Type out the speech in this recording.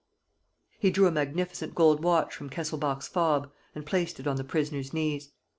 He drew a magnificent gold watch from Kesselbach's fob and placed it on the prisoner's knees.